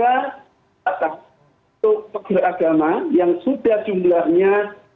untuk pemerintah agama yang sudah jumlahnya lima puluh lima puluh